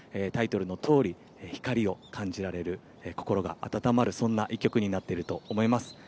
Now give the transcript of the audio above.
タイトルのとおり光を感じられる心が温まるそんな一曲になってると思います。